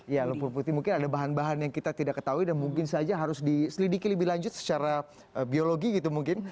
ya lumpur putih mungkin ada bahan bahan yang kita tidak ketahui dan mungkin saja harus diselidiki lebih lanjut secara biologi gitu mungkin